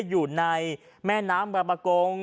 อยู่ในแม่น้ำบับบะโกง